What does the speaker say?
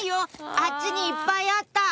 「あっちにいっぱいあった」